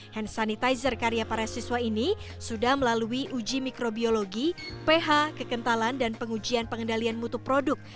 hand sanitizer karya para siswa ini sudah melalui uji mikrobiologi ph kekentalan dan pengujian pengendalian mutu produk